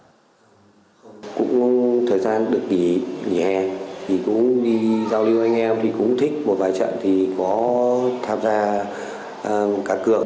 cũng thời gian được kỷ nhẹ thì cũng đi giao lưu anh em thì cũng thích một vài trận thì có tham gia cả cược